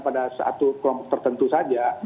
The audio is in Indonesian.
pada satu kelompok tertentu saja